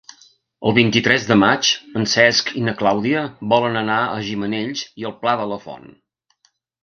El vint-i-tres de maig en Cesc i na Clàudia volen anar a Gimenells i el Pla de la Font.